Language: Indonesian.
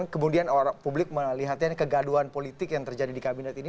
kemudian publik melihatnya kegaduhan politik yang terjadi di kabinet ini